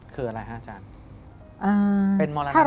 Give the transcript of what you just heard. คืออะไรฮะอาจารย์